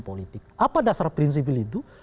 politik apa dasar prinsipil itu